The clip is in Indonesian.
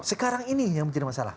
sekarang ini yang menjadi masalah